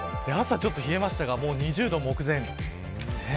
朝ちょっと冷えましたがもう、２０度目前。